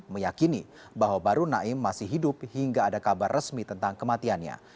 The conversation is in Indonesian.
meyakini bahwa baru naim masih hidup hingga ada kabar resmi tentang kematiannya